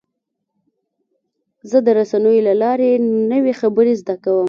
زه د رسنیو له لارې نوې خبرې زده کوم.